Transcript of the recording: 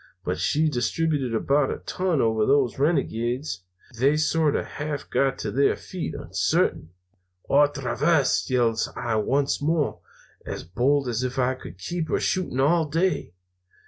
But she distributed about a ton over those renegades. They sort of half got to their feet uncertain. "'Otra vez!' yells I once more, as bold as if I could keep her shooting all day.